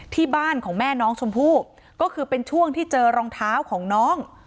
ที่บ้านของแม่น้องชมพู่ก็คือเป็นช่วงที่เจอรองเท้าของน้อง